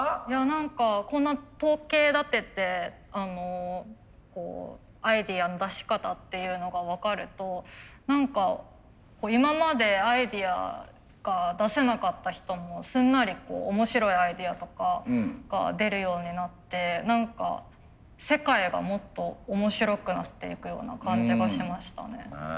何かこんな統計立ててアイデアの出し方っていうのが分かると何か今までアイデアが出せなかった人もすんなり面白いアイデアとかが出るようになって何か世界がもっと面白くなっていくような感じがしましたね。